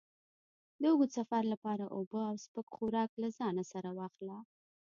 د اوږد سفر لپاره اوبه او سپک خوراک له ځان سره واخله.